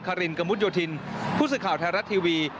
รินกระมุดโยธินผู้สื่อข่าวไทยรัฐทีวี